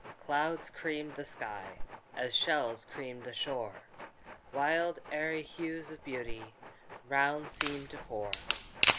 Clouds creamed the sky, As shells creamed the shore; Wild aery hues of beauty Round seemed to pour!